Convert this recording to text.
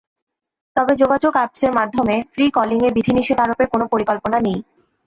তবে যোগাযোগ অ্যাপসের মাধ্যমে ফ্রি কলিংয়ে বিধিনিষেধ আরোপের কোনো পরিকল্পনা নেই।